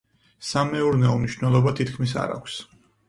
სამეურნეო მნიშვნელობა თითქმის არ აქვს.